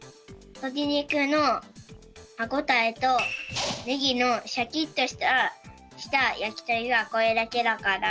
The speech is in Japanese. とりにくのはごたえとねぎのシャキっとしたやきとりはこれだけだから。